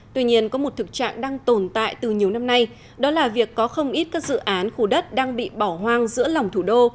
tuy nhiên có một thực trạng đang tồn tại từ nhiều năm nay đó là việc có không ít các dự án khu đất đang bị bỏ hoang giữa lòng thủ đô